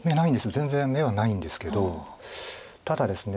全然眼はないんですけどただですね